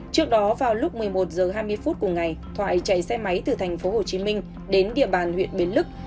trước đó vào lúc một mươi một h hai mươi phút cùng ngày thoại chạy xe máy từ tp hcm đến địa bàn huyện bến lức